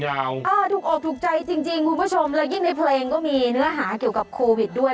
ถูกออกถูกใจจริงคุณผู้ชมแล้วยิ่งในเพลงก็มีเนื้อหาเกี่ยวกับโควิดด้วย